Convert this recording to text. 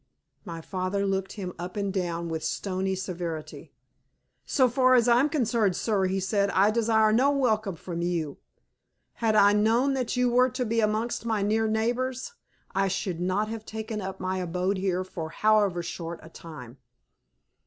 My father looked him up and down with stony severity. "So far as I am concerned, sir," he said, "I desire no welcome from you. Had I known that you were to be amongst my near neighbors, I should not have taken up my abode here for however short a time."